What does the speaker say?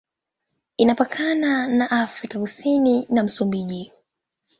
Imepakana na Afrika Kusini na Msumbiji.